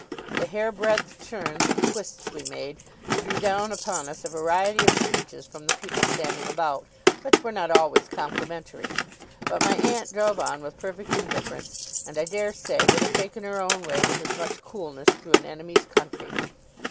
The hair breadth turns and twists we made, drew down upon us a variety of speeches from the people standing about, which were not always complimentary; but my aunt drove on with perfect indifference, and I dare say would have taken her own way with as much coolness through an enemy's country.